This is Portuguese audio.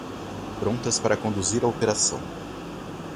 Prontas para conduzir a operação!